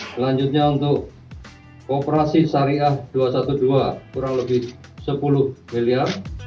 selanjutnya untuk operasi syariah dua ratus dua belas kurang lebih sepuluh miliar